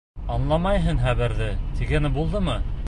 Аңламайһың хәбәрҙе, тигәне булдымы?